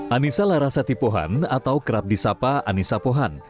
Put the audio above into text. anissa larasati pohan atau kerap disapa anissa pohan